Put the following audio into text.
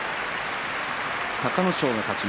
隆の勝の勝ち。